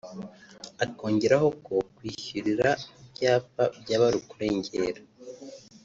akongeraho ko kwishyurira ibyapa byaba ari ukurengera